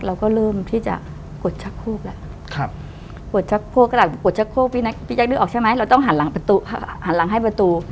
เราก็เริ่มที่จะกดชักโค้กแล้วกดชักโค้กพี่แจ๊กนึกออกใช่ไหม